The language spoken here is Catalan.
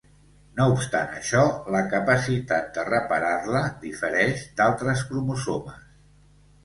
No obstant això, la capacitat de reparar-la difereix d'altres cromosomes.